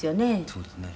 そうですね。